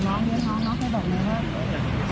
ทำเทมีทำใจอะไรแบบนี้ค่ะ